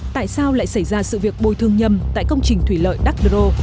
tại sao lại xảy ra sự việc bồi thương nhầm tại công trình thủy lợi đắc đô